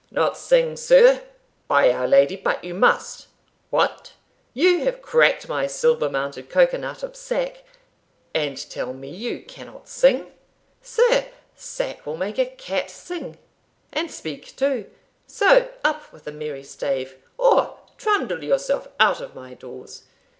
"Not sing, sir? by our Lady! but you must What! you have cracked my silver mounted cocoa nut of sack, and tell me that you cannot sing! Sir, sack will make a cat sing, and speak too; so up with a merry stave, or trundle yourself out of my doors!